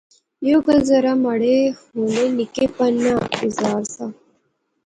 یو گل دراصل مہاڑے ہولے نکے پن نا اظہار سا